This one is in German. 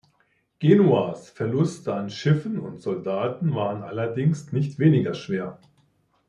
Genuas Verluste an Schiffen und Soldaten waren allerdings nicht weniger schwer.